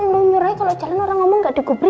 ndung nyurai kalau jalan orang omong gak digubri